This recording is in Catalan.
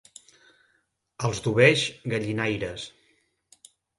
Els d'Oveix, gallinaires.